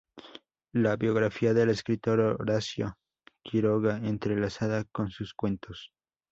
La biografía del escritor Horacio Quiroga entrelazada con sus cuentos.